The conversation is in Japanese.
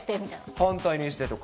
反対にしてとか。